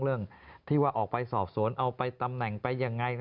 เรื่องที่ว่าออกไปสอบสวนเอาไปตำแหน่งไปยังไง